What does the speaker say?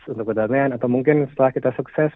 untuk pertamian atau mungkin setelah kita sukses